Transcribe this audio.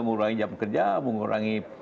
mengurangi jam kerja mengurangi